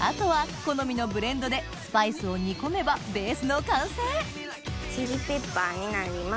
あとは好みのブレンドでスパイスを煮込めばベースの完成チリペッパーになります。